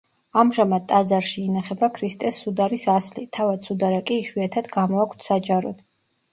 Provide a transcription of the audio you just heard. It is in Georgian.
ამჟამად ტაძარში ინახება ქრისტეს სუდარის ასლი; თავად სუდარა კი იშვიათად გამოაქვთ საჯაროდ.